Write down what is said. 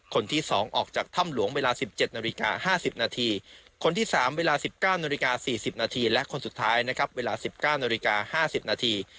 คนที่สองออกจากทำหลวงเวลาสิบเจ็ดนาฬิกาห้าสิบนาทีคนที่สามเวลาสิบเก้านาฬิกาสี่สิบนาทีและคนสุดท้ายนะครับเวลาสิบเก้านาฬิกาห้าสิบนาที